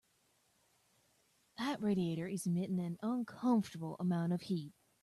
That radiator is emitting an uncomfortable amount of heat.